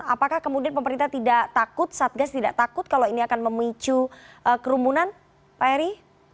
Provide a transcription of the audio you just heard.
apakah kemudian pemerintah tidak takut satgas tidak takut kalau ini akan memicu kerumunan pak eri